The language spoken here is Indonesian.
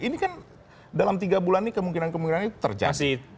ini kan dalam tiga bulan ini kemungkinan kemungkinan itu terjadi